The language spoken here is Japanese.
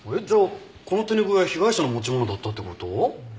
じゃあこの手拭いは被害者の持ち物だったって事？